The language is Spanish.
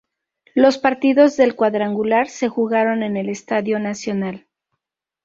Los partidos del cuadrangular se jugaron en el Estadio Nacional.